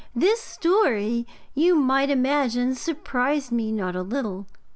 This story, you may imagine, surprised me not a little.